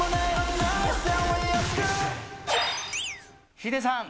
ヒデさん。